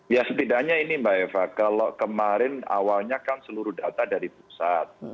ya setidaknya ini mbak eva kalau kemarin awalnya kan seluruh data dari pusat